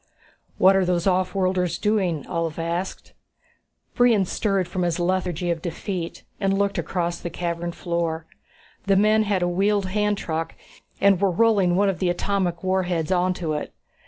"What are those offworlders doing?" Ulv asked. Brion stirred from his lethargy of defeat and looked across the cavern floor. The men had a wheeled handtruck and were rolling one of the atomic warheads onto it.